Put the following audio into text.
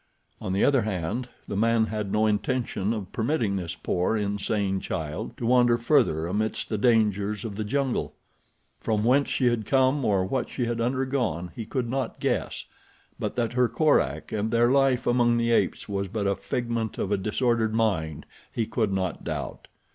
On the other hand the man had no intention of permitting this poor, insane child to wander further amidst the dangers of the jungle. From whence she had come, or what she had undergone he could not guess, but that her Korak and their life among the apes was but a figment of a disordered mind he could not doubt.